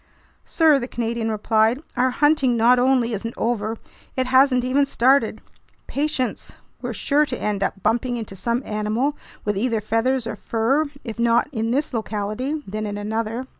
"Sir," the Canadian replied, "our hunting not only isn't over, it hasn't even started. Patience! We're sure to end up bumping into some animal with either feathers or fur, if not in this locality, then in another."